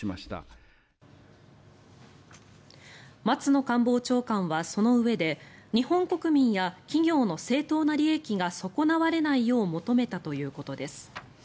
松野官房長官はそのうえで日本国民や企業の正当な利益が損なわれないよう求めたということです。